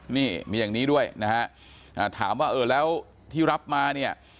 นี่มีอย่างนี้ด้วยนะฮะถามว่าเออแล้วที่รับมาเนี่ย